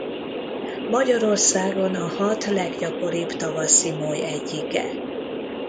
Magyarországon a hat leggyakoribb tavaszi moly egyike.